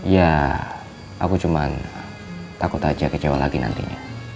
ya aku cuma takut aja kecewa lagi nantinya